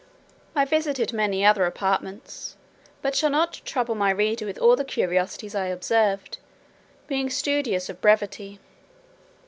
I visited many other apartments, but shall not trouble my reader with all the curiosities I observed, being studious of brevity.